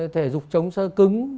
thể dục chống sơ cứng